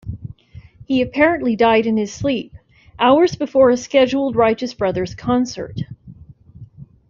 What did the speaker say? He apparently died in his sleep, hours before a scheduled Righteous Brothers concert.